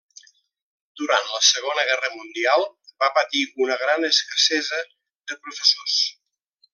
Durant la Segona Guerra Mundial va patir una gran escassesa de professors.